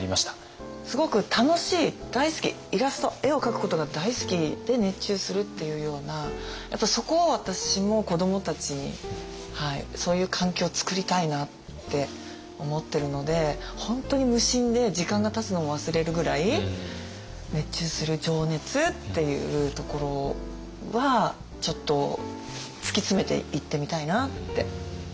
すごく楽しい大好きイラスト絵を描くことが大好きで熱中するっていうようなやっぱそこを私も子どもたちにそういう環境をつくりたいなって思ってるので本当に無心で時間がたつのも忘れるぐらい熱中する情熱っていうところはちょっと突き詰めていってみたいなって思いました。